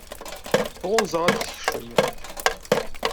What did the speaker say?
Tɣunza ad tekcem.